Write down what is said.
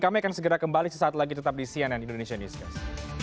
kami akan segera kembali sesaat lagi tetap di cnn indonesia newscast